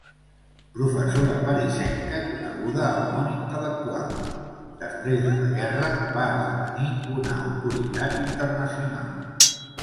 Professora parisenca coneguda al món intel·lectual, després de la guerra va esdevenir una autoritat internacional.